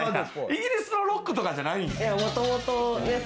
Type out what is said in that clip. イギリスのロックとかじゃないんや。